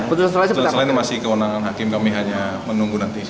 selain masih kewenangan hakim kami hanya menunggu nanti